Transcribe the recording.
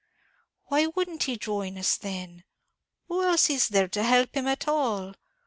"Why wouldn't he join us then? Who else is there to help him at all?